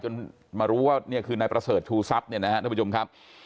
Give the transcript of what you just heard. จนมารู้ว่านี่คือนายประเสริฐทูซับเนี่ยนะฮะท่านผู้ชมครับ